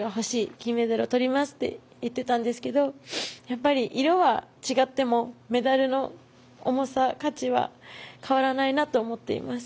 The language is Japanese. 金メダルを取りますと言っていたんですけれどやっぱり色は違ってもメダルの重さ、価値は変わらないなって思っています。